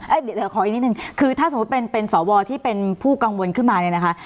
เดี๋ยวขออีกนิดนึงคือถ้าสมมุติเป็นเป็นสวที่เป็นผู้กังวลขึ้นมาเนี่ยนะคะ